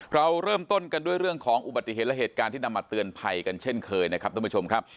เราเริ่มต้นกันด้วยเรื่องของอุบัติเหตุและเหตุการณ์ที่นำมาเตือนภัยกันเช่นเคยนะครับท่านผู้ชมครับ